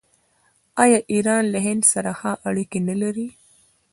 آیا ایران له هند سره ښه اړیکې نلري؟